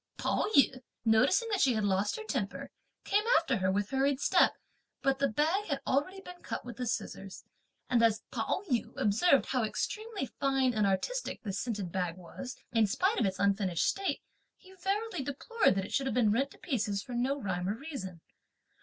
Pao yü noticing that she had lost her temper, came after her with hurried step, but the bag had already been cut with the scissors; and as Pao yü observed how extremely fine and artistic this scented bag was, in spite of its unfinished state, he verily deplored that it should have been rent to pieces for no rhyme or reason.